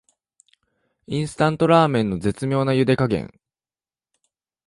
インスタントラーメンの絶妙なゆで加減